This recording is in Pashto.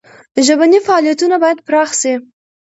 ژبني فعالیتونه باید پراخ سي.